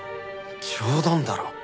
冗談だろ？